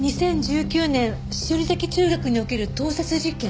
「２０１９年栞崎中学における盗撮事件」。